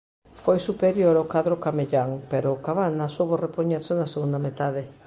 Foi superior o cadro camellán, pero o Cabana soubo repoñerse na segunda metade.